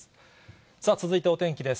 さあ、続いてお天気です。